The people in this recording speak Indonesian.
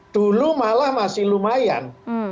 dulu malah masih lumayan